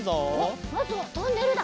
まずはトンネルだ。